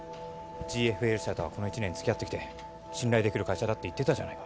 ＧＦＬ社とはこの１年つきあってきて信頼できる会社だって言ってたじゃないか